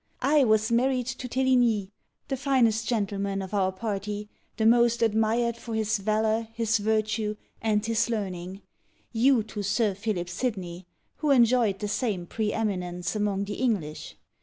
I was married to Teligni, the finest gentleman of our party, the most admired for his valour, his virtue, and his learning: you to Sir Philip Sidney, who enjoyed the same pre eminence among the English.